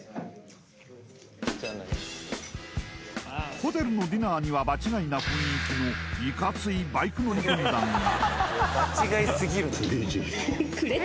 ホテルのディナーには場違いな雰囲気のいかついバイク乗りの軍団が。